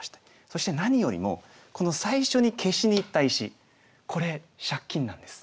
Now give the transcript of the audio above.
そして何よりもこの最初に消しにいった石これ借金なんです。